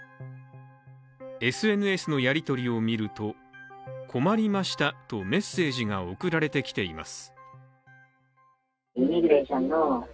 ＳＮＳのやり取りを見ると、困りましたとメッセージが送られてきています。